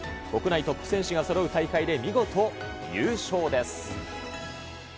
国内トップ選手がそろう大会で、見事優勝です。